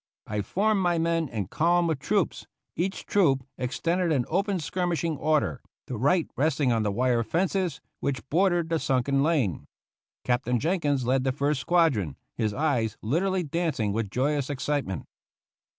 I formed my men in column of troops, each troop extended in open skirmishing order, the right resting on the wire fences which bordered the sunken lane. Captain Jenkins led the first squadron, his eyes literally dancing with joyous excitement.